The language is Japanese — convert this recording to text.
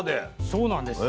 そうなんです。